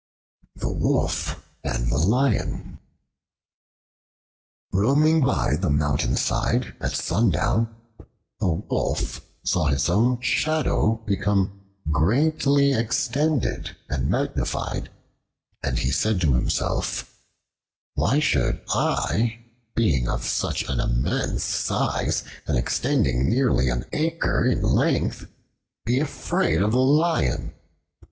The Wolf and the Lion ROAMING BY the mountainside at sundown, a Wolf saw his own shadow become greatly extended and magnified, and he said to himself, "Why should I, being of such an immense size and extending nearly an acre in length, be afraid of the Lion?